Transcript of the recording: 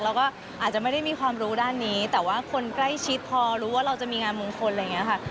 เราก็อาจจะไม่ได้มีความรู้ด้านนี้แต่ว่าคนใกล้ชิดพอรู้ว่าเราจะมีงานมงคลอะไรอย่างนี้ค่ะ